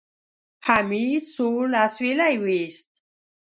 حميد سوړ اسويلی وېست.